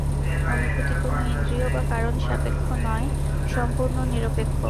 অনুভূতি কোন ইন্দ্রিয় বা কারণ-সাপেক্ষ নয়, সম্পূর্ণ নিরপেক্ষ।